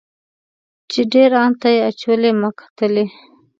چې ډیر ان ته یې اچولې ما کتلی.